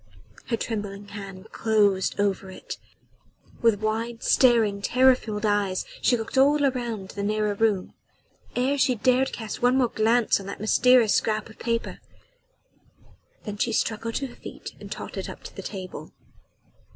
Her trembling hand closed over it. With wide staring terror filled eyes she looked all round the narrow room, ere she dared cast one more glance on that mysterious scrap of paper. Then she struggled to her feet and tottered up to the table.